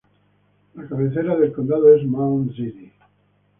La cabecera del condado es Mound City.